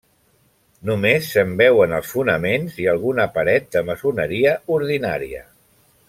Només se'n veuen els fonaments i alguna paret de maçoneria ordinària.